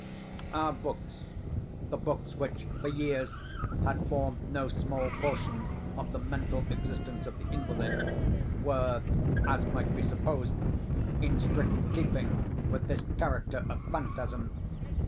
Our books—the books which, for years, had formed no small portion of the mental existence of the invalid—were, as might be supposed, in strict keeping with this character of phantasm.